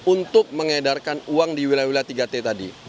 untuk mengedarkan uang di wilayah wilayah tiga t tadi